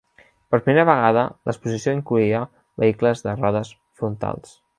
Per primera vegada, l'exposició incloïa vehicles de rodes frontals.